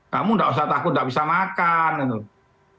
kamu nggak usah takut nggak bisa makan gitu loh